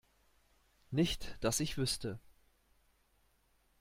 Nicht dass ich wüsste.